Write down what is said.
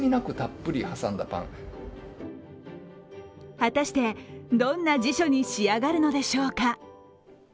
果たして、どんな辞書に仕上がるのでしょうか。